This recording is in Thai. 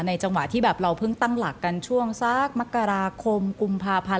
จังหวะที่แบบเราเพิ่งตั้งหลักกันช่วงสักมกราคมกุมภาพันธ์